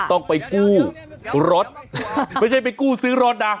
ต้องไปกู้รถไม่ใช่ไปกู้ซื้อรถนะ